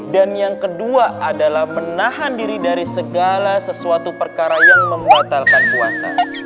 dan yang kedua adalah menahan diri dari segala sesuatu perkara yang membatalkan puasa